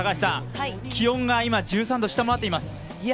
気温が今、１３度を下回っています。